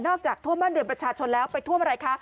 ท่วมบ้านเรือนประชาชนแล้วไปท่วมอะไรคะ